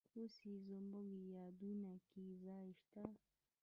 اوس یې زموږ یادونو کې ځای شته.